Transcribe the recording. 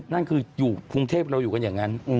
นั่นคืออยู่กรุงเทพเราอยู่กันอย่างนั้น